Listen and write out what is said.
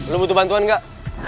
lo butuh bantuan nggak